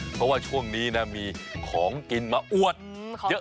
เพราะว่าช่วงนี้นะมีของกินมาอวดเยอะ